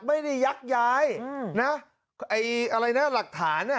ไม่ได้ยักยายนะไออะไรนะหลักฐาน